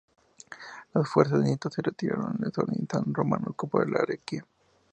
Las fuerzas de Nieto se retiraron en desorden y San Román ocupó Arequipa.